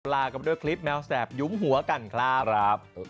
ลากันไปด้วยคลิปแมวแสบยุมหัวกันครับ